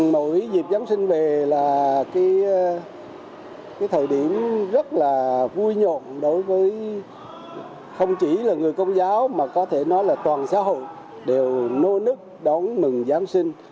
mỗi dịp giáng sinh về là cái thời điểm rất là vui nhộn đối với không chỉ là người công giáo mà có thể nói là toàn xã hội đều nô nức đón mừng giáng sinh